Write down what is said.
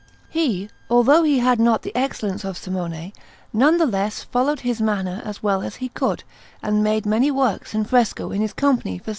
He, although he had not the excellence of Simone, none the less followed his manner as well as he could, and made many works in fresco in his company for S.